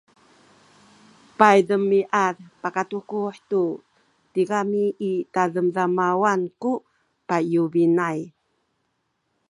paydemiad pakatukuhay tu tigami i tademademawan ku payubinay